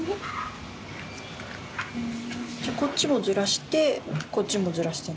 こっちをずらしてこっちもずらして。